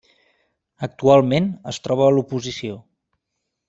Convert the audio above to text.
Actualment es troba a l'oposició.